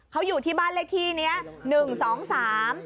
เขาอยู่ที่บ้านเลขที่เนี้ยหนึ่งสองสาม